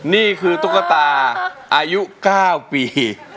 นี่คือตุ๊กตาอายุ๙ปี